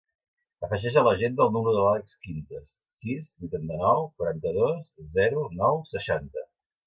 Afegeix a l'agenda el número de l'Àlex Quintas: sis, vuitanta-nou, quaranta-dos, zero, nou, seixanta.